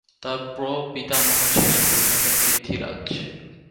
তার প্র-পিতামহ ছিলেন অভিনেতা পৃথ্বীরাজ।